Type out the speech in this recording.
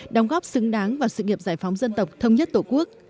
đóng góp xứng đáng vào sự nghiệp giải phóng dân tộc thông nhất tổ quốc